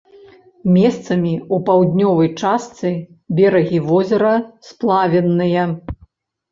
Месцамі ў паўднёвай частцы берагі возера сплавінныя.